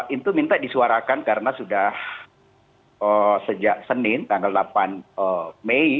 itu minta disuarakan karena sudah sejak senin tanggal delapan mei